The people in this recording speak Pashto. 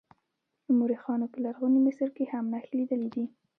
مورخانو په لرغوني مصر کې هم نښې لیدلې دي.